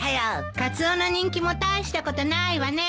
カツオの人気も大したことないわね。